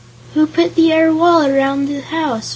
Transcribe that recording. "Who put the air wall around the house?"